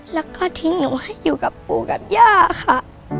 แล้วก็ทิ้งหนูให้อยู่กับปู่กับย่าค่ะ